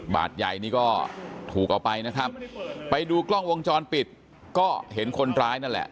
บาทใหญ่นี่ก็ถูกเอาไปนะครับไปดูกล้องวงจรปิดก็เห็นคนร้ายนั่นแหละ